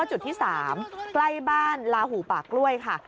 จุดที่๓ใกล้บ้านลาหูป่ากล้วยค่ะ